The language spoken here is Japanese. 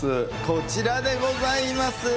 こちらでございます。